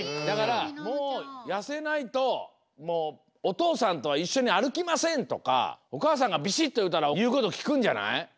だから「もうやせないともうお父さんとはいっしょにあるきません！」とかお母さんがびしっというたらいうこときくんじゃない？